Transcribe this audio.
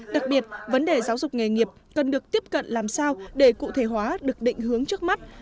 đặc biệt vấn đề giáo dục nghề nghiệp cần được tiếp cận làm sao để cụ thể hóa được định hướng trước mắt